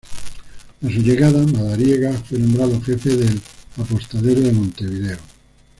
A su llegada Madariaga fue nombrado jefe del Apostadero de Montevideo.